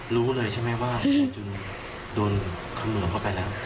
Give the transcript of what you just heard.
รู้เลยใช่ไหมว่าจนโดนขมือเข้าไปแล้ว